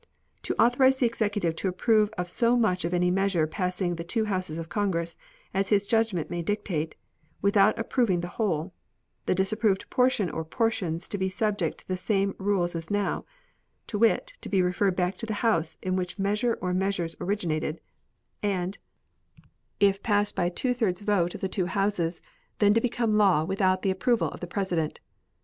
To authorize the Executive to approve of so much of any measure passing the two Houses of Congress as his judgment may dictate, without approving the whole, the disapproved portion or portions to be subjected to the same rules as now, to wit, to be referred back to the House in which the measure or measures originated, and, if passed by a two thirds vote of the two Houses, then to become a law without the approval of the President.